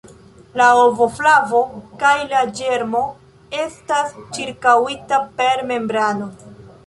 La ovoflavo kaj la ĝermo estas ĉirkaŭita per membrano.